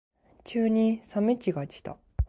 急に冷め期がきた。